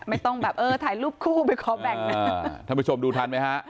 ไม่ต้องแบบเออถ่ายรูปคู่ไปขอแบ่งหน้าท่านผู้ชมดูทันไหมฮะ